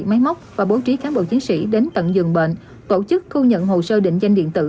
máy móc và bố trí cán bộ chiến sĩ đến tận giường bệnh tổ chức thu nhận hồ sơ định danh điện tử